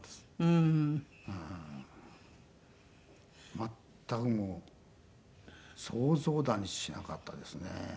全くもう想像だにしなかったですね。